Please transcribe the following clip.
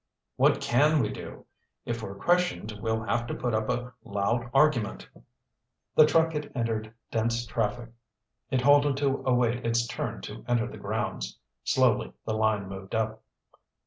"What can we do? If we're questioned, we'll have to put up a loud argument." The truck had entered dense traffic. It halted to await its turn to enter the grounds. Slowly the line moved up.